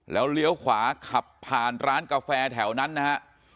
แล้วเลี้ยวขวาขับผ่านร้านกาแฟแถวนั้นนะฮะ